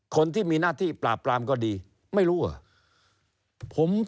คนที่มีหน้าที่ปราบปรามก็ดีไม่รู้เหรอ